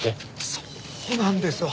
そうなんですわ。